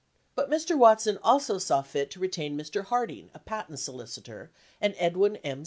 But Mr. Watson also saw fit to re tain Mr. Harding, a patent solicitor, and Edwin M.